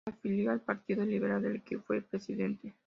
Se afilió al partido Liberal, del que fue presidente.